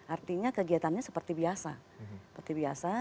artinya kegiatannya seperti biasa